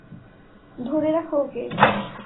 ধরে রাখো ওকে!